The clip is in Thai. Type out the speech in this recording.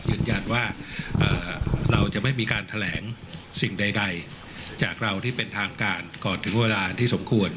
ยืนยันว่าเราจะไม่มีการแถลงสิ่งใดจากเราที่เป็นทางการก่อนถึงเวลาที่สมควร